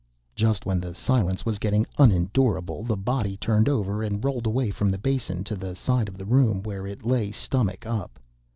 Just when the silence was getting unendurable, the body turned over and rolled away from the basin to the side of the room, where it lay stomach up.